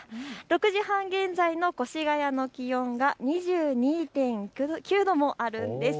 ６時半現在の越谷の気温が２２．９度もあるんです。